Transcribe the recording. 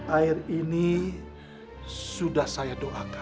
air ini sudah saya doakan